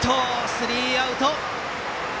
スリーアウト！